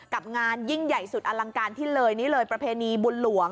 กับงานยิ่งใหญ่สุดอลังการที่เลยนี่เลยประเพณีบุญหลวง